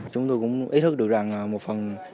chúng tôi cũng ý thức được rằng một phần